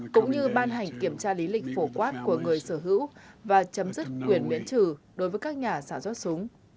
cũng như ban hành kiểm tra lý lịch phổ quát của người sở hữu và chấm dứt quyền miễn trừ đối với các nhà sản xuất súng